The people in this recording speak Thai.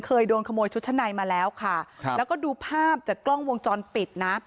เคยโดนขโมยชุดชั้นในมาแล้วค่ะครับแล้วก็ดูภาพจากกล้องวงจรปิดนะ